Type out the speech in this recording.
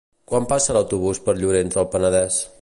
Quan passa l'autobús per Llorenç del Penedès?